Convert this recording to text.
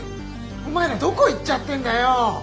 お前らどこ行っちゃってんだよ！